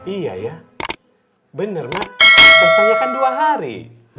iya ya benar mak pastinya kan dua hari